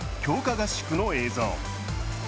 合宿の映像。